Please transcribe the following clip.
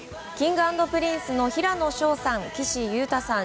Ｋｉｎｇ＆Ｐｒｉｎｃｅの平野紫耀さん、岸優太さん